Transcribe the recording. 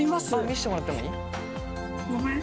見せてもらってもいい？